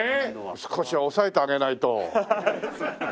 少しは抑えてあげないと。